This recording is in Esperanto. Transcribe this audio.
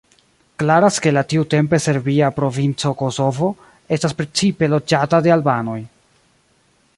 Klaras ke la tiutempe serbia provinco Kosovo estas precipe loĝata de albanoj.